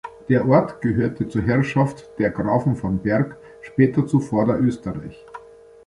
Der Ort gehörte zur Herrschaft der Grafen von Berg, später zu Vorderösterreich.